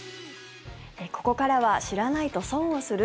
ここからは知らないと損をする？